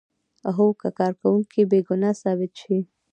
هو که کارکوونکی بې ګناه ثابت شي.